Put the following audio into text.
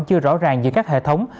chưa rõ ràng giữa các hệ thống